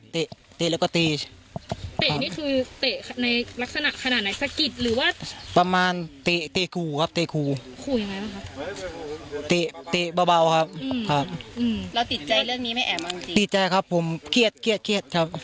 ไม่มีไม่มีไม่มีไม่มีไม่มีไม่มีไม่มีไม่มีไม่มี